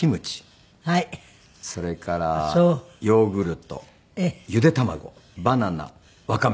それからヨーグルトゆで卵バナナワカメスープ。